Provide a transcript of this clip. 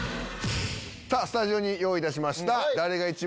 スタジオに用意いたしました。